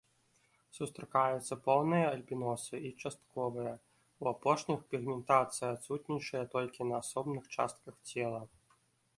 Сустракаюцца поўныя альбіносы і частковыя, у апошніх пігментацыя адсутнічае толькі на асобных частках цела.